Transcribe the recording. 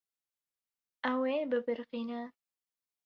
Ew ê bibiriqîne.